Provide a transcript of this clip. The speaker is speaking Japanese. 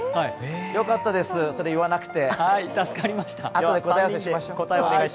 よかったです、それ言わなくて。